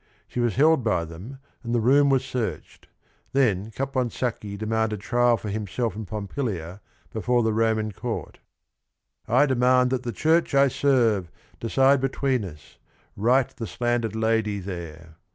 She was held by them, and the room was searched. Then Caponsacchi demanded trial for himself and Pompilia before the Roman court: "I demand that the Church I serve, decide Between us, right the slandered lady there.